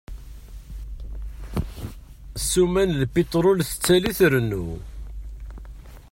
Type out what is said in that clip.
Ssuma n pitrul tettali trennu.